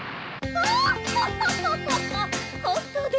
あっ！